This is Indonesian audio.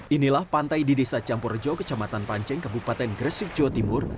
inilah pantai di desa campurjo kecamatan panceng kabupaten gresik jawa timur